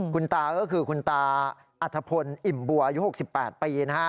คุณตาก็คือคุณตาอัธพลอิ่มบัวอายุ๖๘ปีนะฮะ